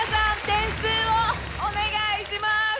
点数をお願いします。